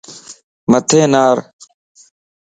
مٿي نار